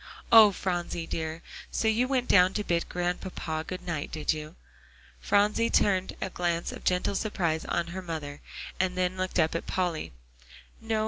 Oh, Phronsie dear, so you went down to bid Grandpapa good night, did you?" Phronsie turned a glance of gentle surprise on her mother, and then looked up at Polly.